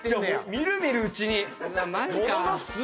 みるみるうちに。